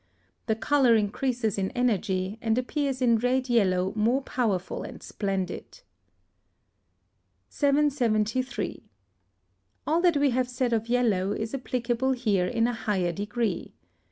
The colour increases in energy, and appears in red yellow more powerful and splendid. 773. All that we have said of yellow is applicable here in a higher degree.